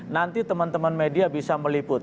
nanti teman teman media bisa meliput